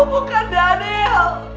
kamu bukan daniel